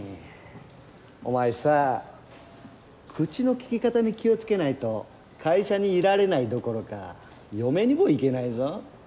お前さ口の利き方に気を付けないと会社にいられないどころか嫁にも行けないぞ？